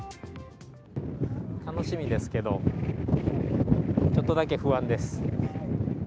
楽しみですけど、ちょっとだけ不安です。